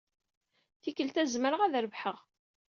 Tikkelt-a, zemreɣ ad rebḥeɣ.